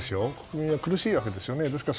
みんな苦しいわけですよね。